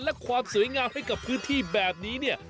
และความสวยงามให้กับพื้นที่แบบนี้เนี่ย